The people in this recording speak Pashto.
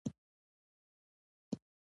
ما وویل: هنري، فرېډریک هنري، دا زما بشپړ نوم دی.